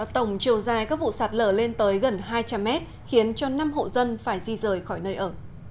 tổng chiều dài các vụ sạt lở lên tới gần hai trăm linh mét khiến cho năm hộ dân phải di rời khỏi nơi ở